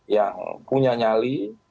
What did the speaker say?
yang punya nyali